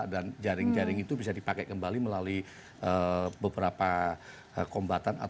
dan jaring jaring itu bisa dipakai kembali melalui beberapa kombatan